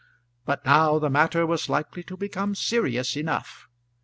But now the matter was likely to become serious enough.